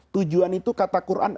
tujuan itu kata quran